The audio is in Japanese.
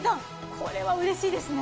これはうれしいですね。